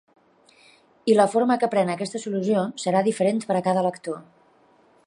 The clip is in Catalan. I la forma que pren aquesta solució serà diferent per a cada lector.